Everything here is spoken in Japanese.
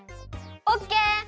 オッケー！